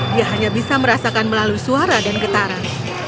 dia hanya bisa merasakan melalui suara dan getaran